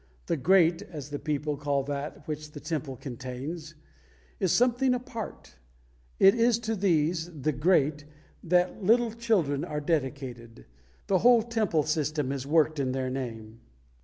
The Great, as the people call that which the Temple contains, is something apart. It is to these The Great that little children are dedicated; the whole Temple system is worked in their name.